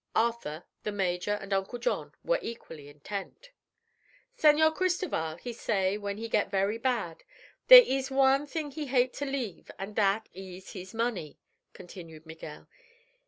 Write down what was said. Arthur, the major and Uncle John were equally intent. "Señor Cristoval, he say, when he get very bad, there ees one thing he hate to leave, an' that ees—his money," continued Miguel.